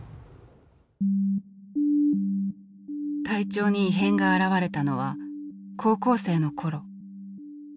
体調に異変が現れたのは高校生の頃。